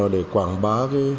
để quảng bá